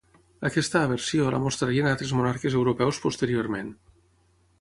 Aquesta aversió la mostrarien altres monarques europeus posteriorment.